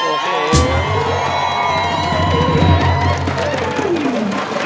โอเค